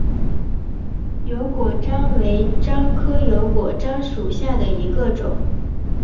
油果樟为樟科油果樟属下的一个种。